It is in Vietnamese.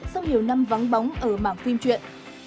sau nhiều năm vắng bóng ở mảng phim truyện